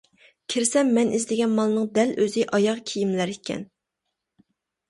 كىرسەم مەن ئىزدىگەن مالنىڭ دەل ئۆزى ئاياغ كىيىملەر ئىكەن.